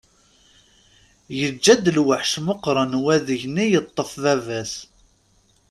Yeǧǧa-d lweḥc meqqren wadeg-nni yeṭṭef baba-s.